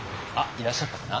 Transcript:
いらっしゃったかな？